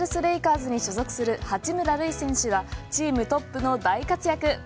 ＮＢＡのロサンゼルス・レイカーズに所属する八村塁選手はチームトップの大活躍。